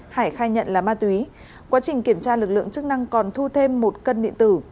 hải khai nhận là ma túy quá trình kiểm tra lực lượng chức năng còn thu thêm một cân điện tử